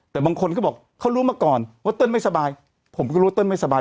แต่บางคนก็บอกเขารู้มาก่อนว่าเติ้ลไม่สบายผมก็รู้ว่าเติ้ลไม่สบาย